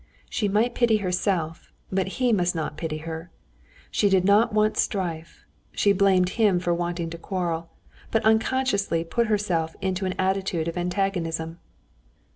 She might pity herself, but he must not pity her. She did not want strife, she blamed him for wanting to quarrel, but unconsciously put herself into an attitude of antagonism.